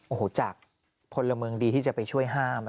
โอ้โหจากพลเมืองดีที่จะไปช่วยห้าม